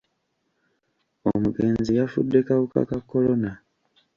Omugenzi yafudde kawuka ka kolona.